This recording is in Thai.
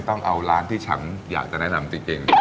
ต้องเอาร้านที่ฉันอยากจะแนะนำจริง